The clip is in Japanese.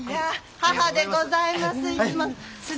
母でございます。